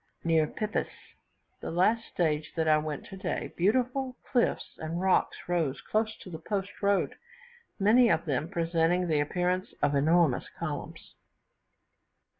Near Pipis, the last stage that I went today, beautiful cliffs and rocks rose close to the post road, many of them presenting the appearance of enormous columns.